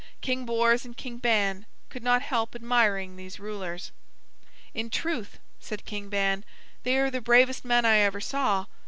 King Bors and King Ban could not help admiring these rulers. "In truth," said King Ban, "they are the bravest men I ever saw.